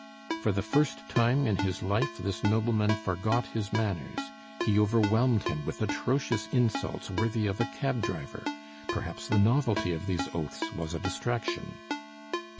"For the first time in his life this nobleman forgot his manners: he overwhelmed him with atrocious insults, worthy of a cab driver. Perhaps the novelty of these oaths was a distraction."